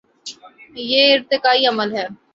یہ ارتقائی عمل ہے۔